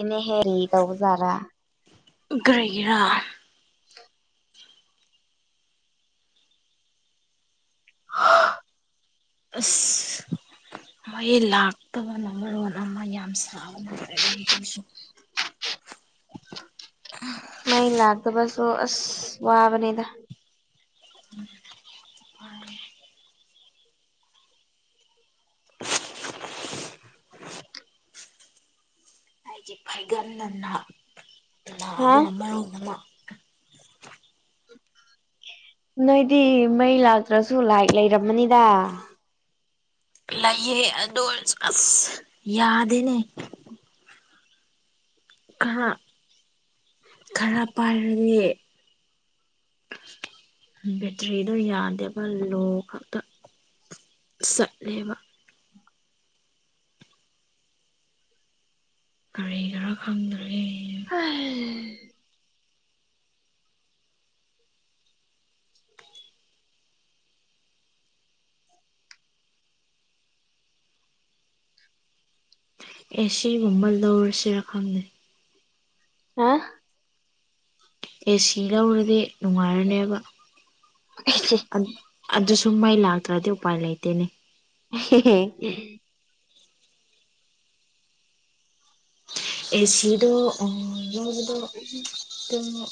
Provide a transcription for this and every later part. ꯏꯅ ꯍꯦꯔꯤꯗꯎꯖꯔꯥ [inaudible] ꯀꯔꯤꯒꯤꯔꯥ [unintelligible] ꯍꯥ [inaudible] ꯑꯁ ꯃꯩ ꯂꯥꯛꯇꯕꯅ ꯃꯔꯣꯟ ꯑꯃ ꯌꯥꯝ ꯁꯥꯕꯅ ꯑꯣꯏꯔꯦ ꯑꯩꯁꯨ ꯃꯩ ꯂꯥꯛꯇꯕꯁꯨ ꯑꯁ ꯋꯥꯕꯅꯦꯗ ꯎꯝ [inaudible] ꯑ [inaudible] ꯍꯥꯏꯒꯟꯅ ꯍꯥ ꯅꯥꯕꯅ ꯃꯔꯣꯡ ꯑꯃ ꯅꯣꯏꯗꯤ ꯃꯩ ꯂꯥꯛꯇ꯭ꯔꯁꯨ ꯂꯥꯛꯢ ꯂꯩꯔꯝꯃꯅꯤꯗ ꯂꯩꯌꯦ ꯑꯗꯨ ꯑꯣꯏꯁꯨ ꯑꯁ ꯌꯥꯗꯦꯅꯦ ꯈꯔ ꯈꯔ ꯄꯥꯏꯔꯗꯤ ꯕꯦꯇ꯭ꯔꯤꯗꯣ ꯌꯥꯗꯦꯕ ꯂꯣ ꯈꯛꯇ ꯆꯠꯂꯦꯕ ꯀꯔꯤꯒꯤꯔ ꯈꯪꯗ꯭ꯔꯦ ꯐ [inaudible] ꯑꯦ ꯁꯤꯒꯨꯝꯕ ꯂꯧꯔꯁꯤꯔꯥ ꯈꯪꯗꯦ ꯍꯥ ꯑꯦꯁꯤ ꯂꯧꯔꯗꯤ ꯅꯨꯡꯉꯥꯏꯔꯅꯦꯕ ꯑꯗꯨ ꯁꯨꯝ ꯃꯩ ꯂꯥꯛꯇ꯭ꯔꯗꯤ ꯎꯄꯥꯏ ꯂꯩꯇꯦꯅꯦ [inaudible] ꯑꯦꯁꯤꯗꯣ ꯂꯧꯕꯗꯣ ꯑꯗꯨꯝ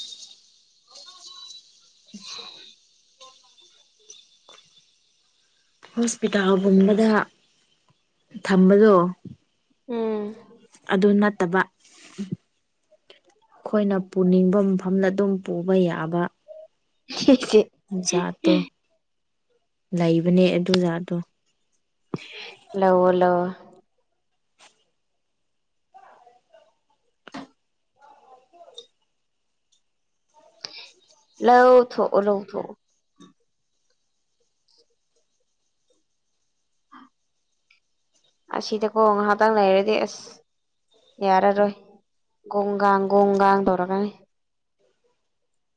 ꯎꯝ [inaudible] ꯍꯣꯁꯄꯤꯇꯥꯜꯒꯨꯝꯕꯗ ꯊꯝꯕꯗꯣ ꯎꯝ ꯑꯗꯨ ꯅꯠꯇꯕ ꯑꯩꯈꯣꯏꯅ ꯄꯨꯅꯤꯡꯕ ꯃꯐꯝꯗ ꯑꯗꯨꯝ ꯄꯨꯕ ꯌꯥꯕ ꯁꯤꯆꯦ [unintelligible] ꯖꯥꯠꯇꯣ ꯂꯩꯕꯅꯦ ꯑꯗꯨ ꯖꯥꯠꯇꯣ ꯂꯧꯑꯣ ꯂꯧꯑꯣ ꯂꯧꯊꯣ ꯂꯧꯊꯣ ꯑ [inaudible] ꯑꯁꯤꯗꯀꯣ ꯉꯥꯏꯍꯥꯛꯇꯪ ꯂꯩꯔꯗꯤ ꯑꯁ ꯌꯥꯔꯔꯣꯏ ꯒꫭꯒꯥꯡ ꯒꫭꯒꯥꯡ ꯇꯧꯔꯛꯀꯅꯤ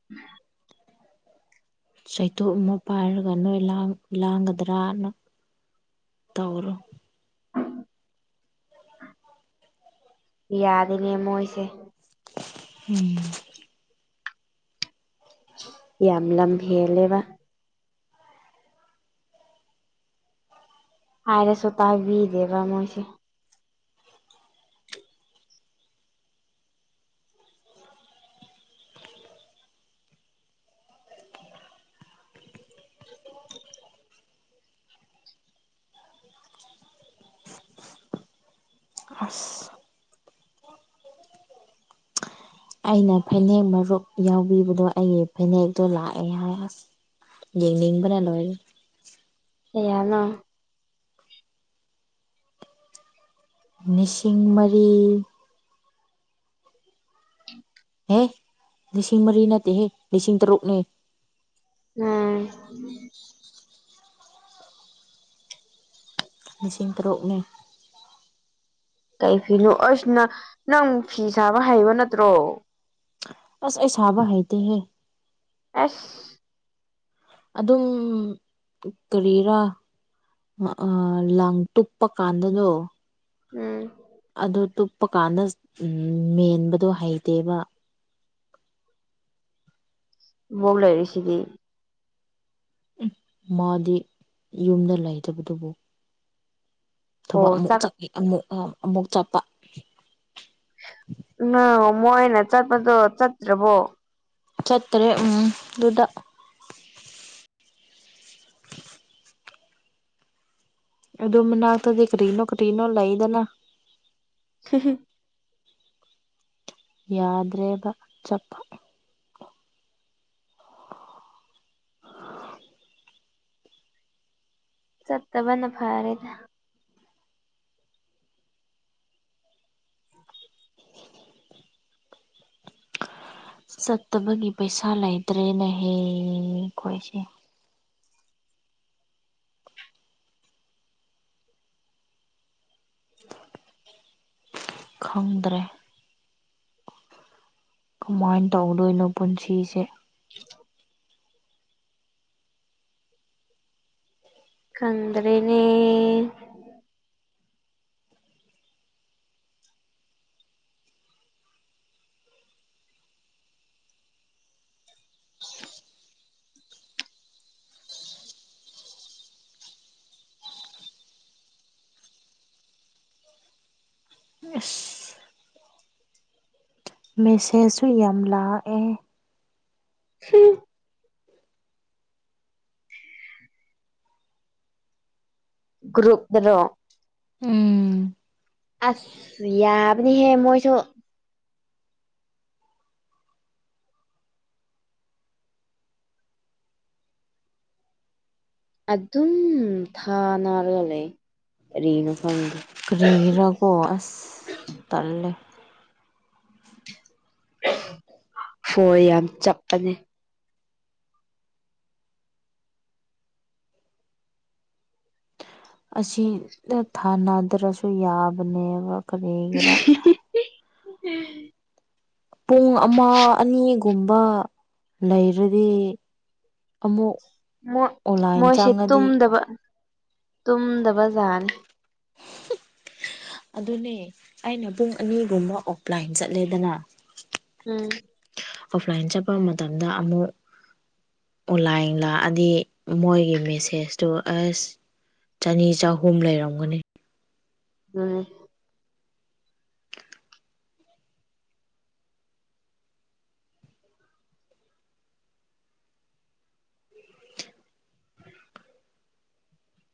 [unintelligible] ꯆꯩꯇꯣꯞ ꯑꯃ ꯄꯥꯏꯔꯒ ꯅꯣꯏ ꯂꯥꯡꯒꯗ꯭ꯔꯅ ꯇꯧꯔꯣ ꯌꯥꯗꯅꯦ ꯃꯣꯏꯁꯦ ꯎꯝ ꯌꯥꯝ ꯂꯝꯍꯦꯂꯦꯕ ꯍꯥꯏꯔꯁꯨ ꯇꯥꯕꯤꯗꯦꯕ ꯃꯣꯏꯁꯦ ꯑꯁ ꯑꯩꯅ ꯐꯅꯦꯛ ꯃꯔꯨꯞ ꯌꯥꯎꯕꯤꯕꯗꯣ ꯑꯩꯒꯤ ꯐꯅꯦꯛꯇꯣ ꯂꯥꯛꯑꯦ ꯍꯥꯏꯑꯁ ꯌꯦꯡꯅꯤꯡꯕꯅ ꯂꯣꯏꯔꯦ ꯀꯌꯥꯅꫭ ꯅꯤꯁꯤꯡ ꯃꯔꯤ ꯎꯝ [unintelligible] ꯍꯦ ꯂꯤꯁꯤꯡ ꯃꯔꯤ ꯅꯠꯇꯦꯍꯦ ꯂꯤꯁꯤꯡ ꯇꯔꯨꯛꯅꯦ ꯎꯝ ꯂꯤꯁꯤꯡ ꯇꯔꯨꯛꯅꯦ ꯀꯩ ꯐꯤꯅꯣ ꯑꯩꯁꯅ ꯅꯪ ꯐꯤ ꯁꯥꯕ ꯍꯩꯕ ꯅꯠꯇ꯭ꯔꯣ ꯑꯁ ꯑꯩ ꯁꯥꯥꯕ ꯍꯩꯇꯦꯍꯦ ꯑꯦꯁ ꯑꯗꯨꯝ ꯀꯔꯤꯔꯥ ꯑ ꯂꯪ ꯇꯨꯞꯄ ꯀꯥꯟꯗꯅꯣ ꯎꯝ ꯑꯗꯨ ꯇꯨꯞꯄ ꯀꯥꯟꯗ ꯃꯦꯟꯕꯗꯣ ꯍꯩꯇꯦꯕ ꯃꯣꯣꯡꯛ ꯂꯩꯔꯤꯁꯤꯗꯤ ꯃꯥꯗꯤ ꯌꯨꯝꯗ ꯂꯩꯇꯕꯗꯨꯕꯨ ꯑꯣ ꯊꯕꯛ ꯑꯃꯨꯛ ꯆꯥꯛ ꯆꯠ ꯑꯃꯨꯛ ꯑꯃꯨꯛ ꯆꯠꯄ ꯎꯝ ꯃꯣꯏꯅ ꯆꯠꯄꯗꯣ ꯆꯠꯇ꯭ꯔꯕꯣ ꯆꯠꯇ꯭ꯔꯦ ꯎꯝ ꯑꯗꯨꯗ [unintelligible] ꯑꯗꫭ ꯃꯅꯥꯛꯇꯗꯤ ꯀꯔꯤꯅꯣ ꯀꯔꯤꯅꯣ ꯂꯩꯗꯅ ꯍ [unintelligible] ꯌꯥꯗ꯭ꯔꯦꯕ ꯆꯄ ꯆꯠꯇꯕꯅ ꯐꯔꯦꯗ ꯆꯠꯇꯕꯒꯤ ꯄꯩꯁꯥ ꯂꯩꯇ꯭ꯔꯦꯅꯍꯦ ꯈꯣꯏꯁꯦ ꯈꯪꯗ꯭ꯔꯦ ꯀꯃꯥꯏꯅ ꯇꯧꯗꯣꯏꯅꯣ ꯄꯨꯟꯁꯤꯁꯦ ꯍ [unintelligible] ꯈꯪꯗ꯭ꯔꯦꯅꯦ ꯑꯁ ꯃꯦꯁꯦꯖꯁꯨ ꯌꯥꯝ ꯂꯥꯛꯑꯦ ꯍꯨꯝ ꯒ꯭ꯔꯨꯨꯞꯗꯔꯣ ꯎꯝ ꯑꯁ ꯌꯥꯕꯅꯤ ꯍꯦ ꯃꯣꯏꯁꯨ ꯑꯗꯨꯝ ꯊꯥ ꯅꯥꯔꯒ ꯂꯩ ꯀꯔꯤꯅꯣ ꯈꯪꯗꯦ ꯀꯔꯤꯍꯤꯔꯒꯣ ꯑꯁ ꯇꯜꯦ ꯍꯣꯏ ꯌꯥꯝ ꯆꯞꯄꯅꯤ ꯑꯁꯤꯗ ꯊꯥꯅꯗ꯭ꯔꯁꯨ ꯌꯥꯕꯅꯦꯕ ꯀꯔꯤꯒꯤꯔꯥ ꯄꯨꯡ ꯑꯃ ꯑꯅꯤꯒꯨꯝꯕ ꯂꯩꯔꯗꯤ ꯑꯃꯨꯛ ꯑꯣꯟꯂꯥꯏꯟ ꯃꯣꯏꯁꯦ ꯆꯪꯉꯗꯤ ꯇꯨꯝꯗꯕ ꯇꯨꯝꯗꯕꯖꯥꯠꯅꯤ ꯑꯗꯨꯅꯦ ꯑꯩꯅ ꯄꯨꯡ ꯑꯅꯤꯒꯨꯝꯕ ꯑꯣꯞꯂꯥꯏꯟ ꯆꯠꯂꯦꯗꯅ ꯎꯝ ꯑꯣꯐꯂꯥꯏꯟ ꯆꯠꯄ ꯃꯇꯝꯗ ꯑꯃꯨꯛ ꯑꯣꯟꯂꯥꯏꯟ ꯂꯥꯛꯑꯗꯤ ꯃꯣꯏꯒꯤ ꯃꯦꯁꯦꯖꯇꯨ ꯑꯁ ꯆꯅꯤ ꯆꯍꯨꯝ ꯂꯩꯔꯝꯒꯅꯤ ꯎꯝ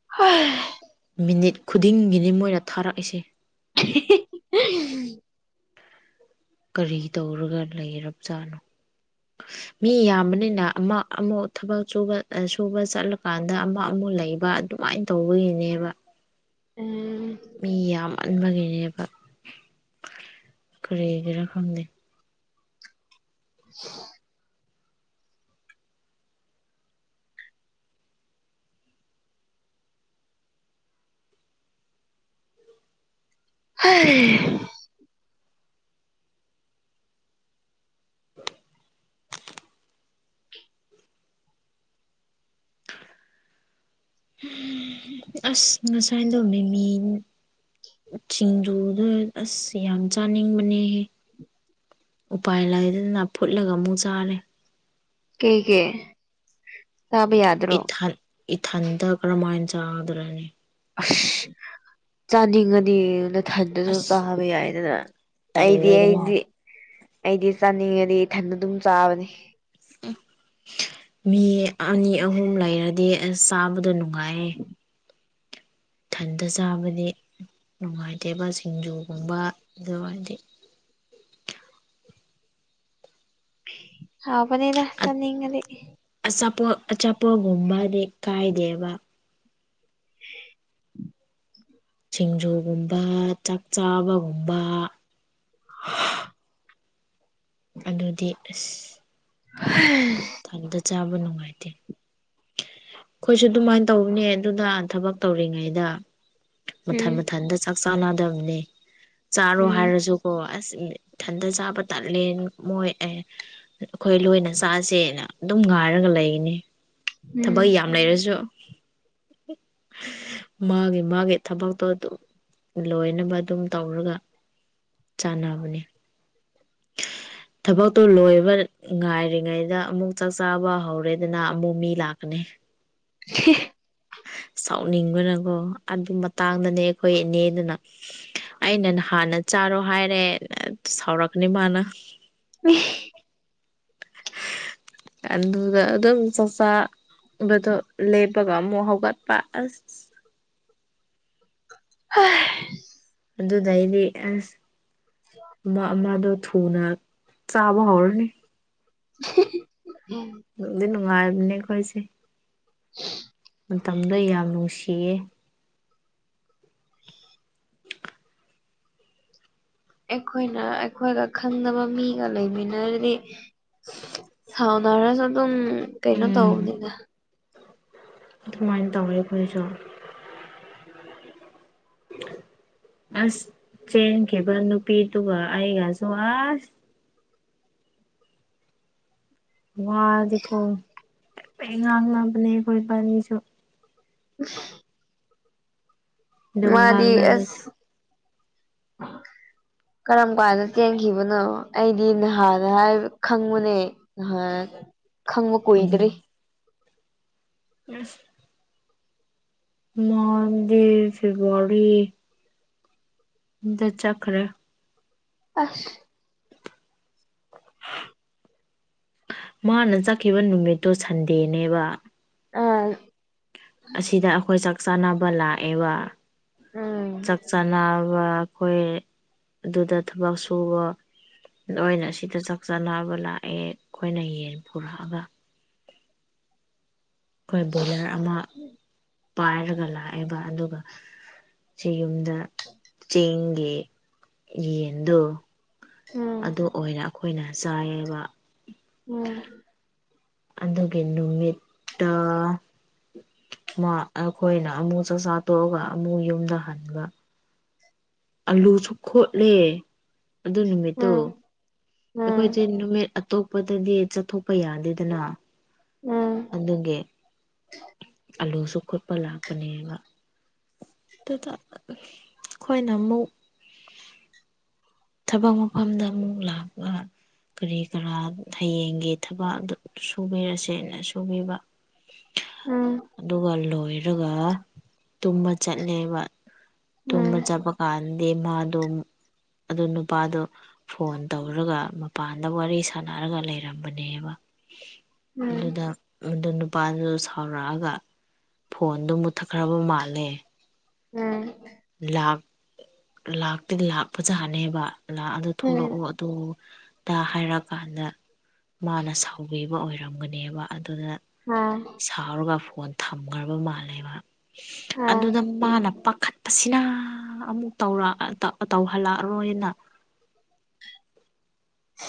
ꯍꯣꯏ ꯃꯤꯅꯤꯠ ꯈꯨꯗꯤꯡꯒꯤꯅꯤ ꯃꯣꯏꯅ ꯊꯥꯔꯛꯏꯁꯦ ꯑꯍꯤ [inaudible] ꯀꯔꯤ ꯇꯧꯔꯒ ꯂꯩꯔꯕꯖꯥꯠꯅꯣ ꯃꯤ ꯌꯥꯝꯕꯅꯤꯅ ꯑꯃꯨꯛ ꯑꯃꯨꯛ ꯊꯕꯛ ꯁꯨꯕ ꯁꯨꯕ ꯆꯠꯂꯀꯥꯟꯗ ꯑꯃꯛ ꯑꯃꯨꯛ ꯂꯩꯕ ꯑꯗꯨꯃꯥꯏꯅ ꯇꯧꯕꯒꯤꯅꯦꯕ ꯑ ꯃꯤ ꯌꯥꯝꯃꯟꯕꯒꯤꯅꯦꯕ ꯀꯔꯤꯒꯤꯔ ꯈꯪꯗꯦ ꯎ ꯍ ꯑꯁ ꯉꯁꯥꯏꯗꯣꯃꯤ ꯁꯤꯡꯖꯨꯗ ꯑꯁ ꯌꯥꯝ ꯆꯥꯅꯤꯡꯕꯅꯦꯍꯦ ꯎꯄꯥꯏ ꯂꯩꯗꯗꯅ ꯐꯨꯠꯂꯒ ꯑꯃꯨꯛ ꯆꯥꯔꯦ ꯀꯩ ꯀꯩ ꯇꯕ ꯌꯥꯗ ꯏꯊꯟ ꯏꯊꯟꯇ ꯀꯔꯝꯃꯥꯏꯅ ꯆꯥꯗ꯭ꯔꯅꯤ ꯑꯁ ꯆꯥꯅꯤꯡꯉꯗꯤ ꯃꯊꯟꯗꯨꯁꯨ ꯑꯁ ꯆꯥꯕ ꯌꯥꯏꯗꯅ ꯑꯩꯗꯤ ꯇꯜꯂꯦꯗꯅ ꯑꯩꯗꯤ ꯑꯩꯗꯤ ꯆꯥꯅꯤꯡꯉꯗꯤ ꯏꯊꯟꯗ ꯑꯗꯨꯝ ꯆꯥꯕꯅꯤ ꯃꯤ ꯑꯅꯤ ꯑꯍꯨꯝ ꯂꯩꯔꯗꯤ ꯑꯁ ꯆꯥꯕꯗꯣ ꯅꯨꯡꯉꯥꯏꯌꯦ ꯏꯊꯟꯇ ꯆꯥꯕꯗꯤ ꯅꯨꯡꯉꯥꯏꯇꯦꯕ ꯁꯤꯡꯖꯨꯒꯨꯝꯕ ꯑꯗꯨꯔꯗꯤ ꯑꯕꯅꯦꯗ ꯆ ꯅꯅꯤꯡꯉꯗꯤꯦ ꯑꯆꯥꯄ ꯑꯆꯥꯄ ꯨꯨꯝꯃꯅꯦꯦ ꯀꯥꯏ ꯗꯦꯕ ꯎꯝ ꯁꯤꯡꯖꯨꯒꯨꯝꯕ ꯆꯥꯛ ꯆꯥꯕꯒꯨꯝꯕ ꯍꯥ [inaudible] ꯑꯗꯨꯗꯤ ꯑꯁ ꯍ ꯊꯥꯡꯗ ꯆꯥꯕ ꯅꯨꯡꯉꯥꯏꯇꯦ ꯑꯩꯈꯣꯏꯁꯨ ꯑꯗꯨꯃꯥꯏꯅ ꯇꯧꯕꯅꯦ ꯑꯗꯨꯅ ꯊꯕꯛ ꯇꯧꯔꯤꯉꯩꯗ ꯃꯊꯟ ꯎꯝ ꯃꯊꯟꯇ ꯆꯥꯛ ꯆꯥ ꯅꯥꯗꯕꯅꯤ ꯆꯥꯔꯣ ꯎꯝ ꯍꯥꯏꯔꯁꯨ ꯑꯣ ꯑꯁ ꯏꯊꯟꯗ ꯆꯥꯕ ꯇꯠꯂꯦ ꯃꯣꯏ ꯑꯦ ꯑꯩꯈꯣꯏ ꯂꯣꯏꯅ ꯆꯥꯁꯦꯅ ꯑꯗꯨꯝ ꯉꯥꯏꯔꯒ ꯂꯩꯅꯤ ꯎꯝ ꯊꯕꯛ ꯌꯥꯝ ꯂꯩꯔꯁꯨ ꯃꯥꯒꯤ ꯃꯥꯒꯤ ꯊꯕꯛꯇꯣ ꯑꯗꯨꯝ ꯂꯣꯏꯅꯕ ꯑꯗꯨꯝ ꯇꯧꯔꯒ ꯆꯥꯟꯅꯕꯅꯦ ꯊꯕꯛꯇꯨ ꯂꯣꯏꯕꯅ ꯉꯥꯏꯔꯤꯉꯩꯗ ꯑꯃꯨꯛ ꯆꯥꯛ ꯆꯥꯕ ꯍꯧꯔꯦꯗꯅ ꯑꯃꯨꯛ ꯃꯤ ꯂꯥꯛꯀꯅꯤ ꯁꯤ [unintelligible] ꯁꯥꯎꯅꯤꯡꯕꯅꯀꯣ ꯑꯗꯨ ꯃꯇꯥꯡꯗꯅꯦ ꯑꯩꯈꯣꯏ ꯏꯅꯦꯗꯨꯅ ꯑꯩꯅ ꯅꯍꯥꯟꯅ ꯆꯥꯔꯣ ꯍꯥꯏꯔꯦ ꯁꯥꯎꯔꯛꯀꯅꯤ ꯃꯥꯅ ꯉꯤ ꯑꯗꯨꯗ ꯑꯗꯨꯝ ꯆꯥꯛꯆꯥꯕꯗꯣ ꯂꯦꯞꯄꯒ ꯑꯃꯨꯛ ꯍꯧꯒꯠꯄ ꯑꯁ ꯍꯣꯏ ꯑꯗꯨꯗꯩꯗꯤ ꯑꯁ ꯃꯥ ꯑꯃꯥꯗꯣ ꯊꯨꯅ ꯆꯥꯕ ꯍꯧꯔꯅꯤ [unintelligible] ꯅꯨꯡꯗꯤ ꯅꯨꯡꯉꯥꯏꯕꯅꯤꯀꯣ ꯑꯩ ꯁꯦ [inaudible] ꯃꯇꯝꯗꯣ ꯌꯥꯝ ꯅꯨꯡꯁꯤꯌꯦ ꯑꯩꯈꯣꯏꯅ ꯑꯩꯈꯣꯏꯒ ꯈꯪꯅꯕ ꯃꯤꯒ ꯂꯩꯃꯤꯟꯅꯔꯗꯤ ꯁꯥꯎꯅꯔꯁꯨ ꯑꯗꯨꯝ ꯀꯩꯅꯣ ꯎꯝ ꯇꯧꯕꯅꯤꯗ ꯑꯗꯨꯃꯥꯏꯅ ꯇꯧꯋꯤ ꯑꯩꯈꯣꯏꯁꯨ ꯑꯁ ꯆꯦꯟꯈꯤꯕ ꯅꯨꯄꯤꯗꯨꯒ ꯑꯩꯒꯁꯨ ꯑꯁ ꯋꯥꯗꯤꯀꯣ ꯍꯥꯏꯐꯦꯠ ꯉꯥꯡꯅꯕꯅꯦ ꯑꯩꯈꯣꯏ ꯏꯕꯥꯅꯤꯁꯨ ꯎꯝ ꯗꯨꯝ ꯃꯥꯗꯤ ꯉꯥꯡꯅꯅꯤ ꯑꯁ ꯀꯔꯝ ꯀꯥꯟꯗ ꯆꯦꯟꯈꯤꯕꯅꯣ ꯑꯩꯗꯤ ꯅꯍꯥꯟꯗ ꯍꯥꯏꯕ ꯈꯪꯕꯅꯦ ꯉꯍꯥꯟ ꯈꯪꯕ ꯀꯨꯏꯗ꯭ꯔꯤ ꯏꯁ ꯃꯥꯟꯗ‌ꯦ ꯐꯦꯕꯋꯥꯔꯤ ꯗ ꯆꯠꯈ꯭ꯔꯦ ꯑꯁ ꯃꯥꯅ ꯆꯠꯈꯤꯕ ꯅꯨꯃꯤꯠꯇꯣ ꯁꯟꯗꯦꯅꯦꯕ ꯑꯥ ꯑꯁꯤꯗ ꯑꯩꯈꯣꯏ ꯆꯥꯛ ꯆꯥꯅꯕ ꯂꯥꯛꯑꯦꯕ ꯎꯝ ꯆꯥꯛ ꯆꯥꯟꯅꯕ ꯑꯩꯈꯣꯏ ꯑꯗꯨꯗ ꯊꯕꯛ ꯁꯨꯕ ꯑꯣꯏꯅ ꯁꯤꯗ ꯆꯥꯛ ꯆꯥꯅꯕ ꯂꯥꯛꯑꯦ ꯑꯩꯈꯣꯏꯅ ꯌꯦꯟ ꯄꯨꯔꯛꯑꯒ ꯑꯩꯈꯣꯏ ꯕꯣꯏꯂꯔ ꯑꯃ ꯄꯥꯏꯔꯒ ꯂꯥꯛꯑꯦꯕ ꯑꯗꯨꯒ ꯁꯤ ꯌꯨꯝꯗ ꯆꯦꯡꯒꯤ ꯌꯦꯟꯗꯣ ꯎꯝ ꯑꯗꯨ ꯑꯣꯏꯅ ꯑꯩꯈꯣꯏꯅ ꯆꯥꯏꯌꯦꯕ ꯑꯣ ꯑꯗꯨꯒꯤ ꯅꯨꯃꯤꯠ ꯇꯣ ꯃꯥ ꯑꯩꯈꯣꯏꯅ ꯑꯃꯨꯛ ꯆꯥꯛꯆꯥꯥ ꯇꯣꯛꯑꯒ ꯑꯃꯨꯛ ꯌꯨꯝꯗ ꯍꯟꯕ ꯑꯂꯨꯁꯨ ꯈꯣꯠꯂꯦ ꯑꯗꯨ ꯅꯨꯃꯤꯠꯇꯣ ꯎꯝ ꯎꯝ ꯑꯩꯈꯣꯏꯁꯦ ꯅꯨꯃꯤꯠ ꯑꯇꯣꯞꯄꯗꯗꯤ ꯆꯠꯊꯣꯛꯄ ꯌꯥꯗꯦꯗꯅ ꯎꯝ ꯑꯗꯨꯒꯤ ꯑꯂꯨꯁꯨ ꯈꯣꯠꯄ ꯂꯥꯛꯄꯅꯦꯕ ꯑꯗꯨꯗ ꯑꯩꯈꯣꯏꯅ ꯑꯃꯨꯛ ꯊꯕꯛ ꯃꯐꯝꯗ ꯑꯃꯨꯛ ꯂꯥꯛꯄ ꯀꯔꯤ ꯀꯔꯥ ꯍꯌꯦꯡꯒꯤ ꯊꯕꯛ ꯑꯗꯨ ꯁꯨꯕꯤꯔꯁꯦꯅ ꯁꯨꯕꯤꯕ ꯎꯝ ꯑꯗꯨꯒ ꯂꯣꯏꯔꯒ ꯇꯨꯝꯕ ꯆꯠꯂꯦꯕ ꯎꯝ ꯇꯨꯝꯕ ꯆꯠꯄ ꯀꯥꯟꯗꯤ ꯃꯥꯗꯣ ꯑꯗꯨ ꯅꯨꯄꯥꯗꯣ ꯐꯣꯟ ꯇꯧꯔꯒ ꯃꯄꯥꯟꯗ ꯋꯥꯔꯤ ꯁꯥꯟꯅꯔꯒ ꯂꯩꯔꯝꯕꯅꯦꯕ ꯑꯗꯨꯗ ꯑꯗꯨ ꯅꯨꯄꯥꯗꯨ ꯁꯥꯎꯔꯛꯑꯒ ꯐꯣꯟꯗꯣ ꯃꯨꯊꯠꯈ꯭ꯔꯕ ꯃꯥꯜꯂꯦ ꯎꯝ ꯂꯥꯛ ꯂꯥꯛꯇꯤ ꯂꯥꯛ ꯐꯖꯥꯅꯦꯕ ꯂꯥꯛꯑ ꯑꯗꯨ ꯎꯝ ꯊꯣꯛꯂꯛꯑꯣ ꯇꯣ ꯇ ꯍꯥꯏꯔꯛꯑꯀꯥꯟꯗ ꯃꯥꯅ ꯁꯥꯎꯕꯤꯕ ꯑꯣꯏꯔꯝꯒꯅꯦꯕ ꯑꯗꯨꯗ ꯎꯝ ꯑ ꯁꯥꯎꯔꯒ ꯐꯣꯟ ꯊꯝꯈ꯭ꯔꯕ ꯃꯥꯜꯂꯦꯕ ꯑ ꯑꯗꯨꯗ ꯃꯥꯅ ꯄꯥꯈꯠ ꯑꯁꯤꯅ ꯑꯃꯨꯛ ꯇꯧꯔ ꯇꯧꯍꯜꯂꯛꯑꯔꯣꯏꯅ ꯎ